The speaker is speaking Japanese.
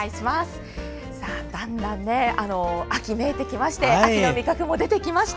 だんだん秋めいてきまして秋の味覚も出てきました。